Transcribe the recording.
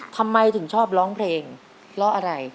ทำไมถึงชอบร้องเพลงเพราะอะไร